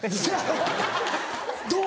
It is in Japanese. どう？